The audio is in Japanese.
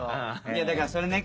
いやだからそれね